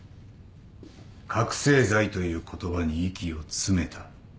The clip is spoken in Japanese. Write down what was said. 覚醒剤という言葉に息を詰めた。